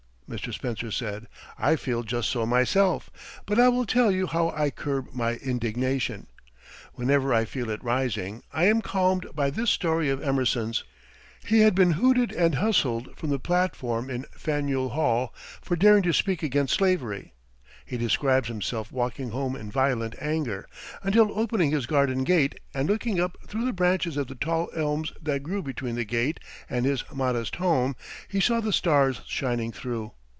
Mr. Spencer said: "I feel just so myself, but I will tell you how I curb my indignation. Whenever I feel it rising I am calmed by this story of Emerson's: He had been hooted and hustled from the platform in Faneuil Hall for daring to speak against slavery. He describes himself walking home in violent anger, until opening his garden gate and looking up through the branches of the tall elms that grew between the gate and his modest home, he saw the stars shining through.